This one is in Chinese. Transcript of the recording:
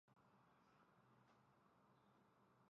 詹蒂亚神庙是位于地中海戈佐岛上的新石器时代巨石庙。